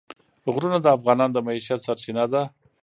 غرونه د افغانانو د معیشت سرچینه ده.